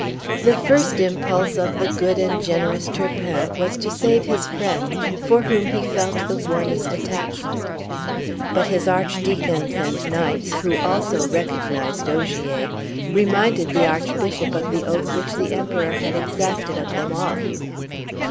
The first impulse of the good and generous Turpin was to save his friend, for whom he felt the warmest attachment; but his archdeacons and knights, who also recognized Ogier, reminded the Archbishop of the oath which the Emperor had exacted of them all.